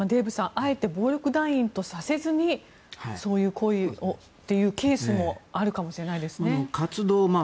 あえて、暴力団とさせずにそういう行為をというケースもあるかもしれないですね。